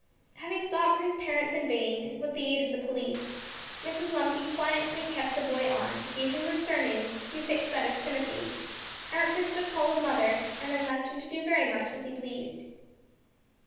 Having sought for his parents in vain, with the aid of the police, Mrs Lumpy quietly kept the boy on; gave him her surname, prefixed that of Timothy, answered to the call of mother, and then left him to do very much as he pleased.